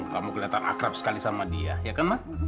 kamu kelihatan akrab sekali sama dia ya kan mah